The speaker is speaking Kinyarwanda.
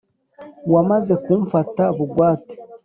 wamaze kumfata bugwate